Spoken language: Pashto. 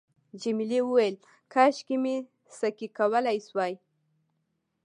جميلې وويل:، کاشکې مې سکی کولای شوای.